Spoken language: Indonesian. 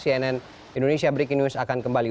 cnn indonesia breaking news akan kembali